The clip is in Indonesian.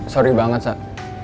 sorry banget kak